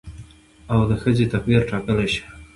او د ښځې تقدير ټاکلى شي